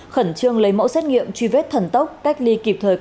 khẩn trương lấy mẫu xét nghiệm truy vết thần tốc cách ly kịp thời